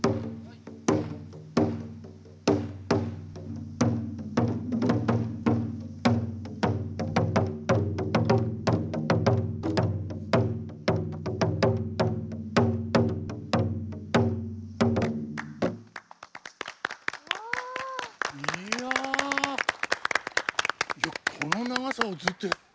いやこの長さをずっとやる。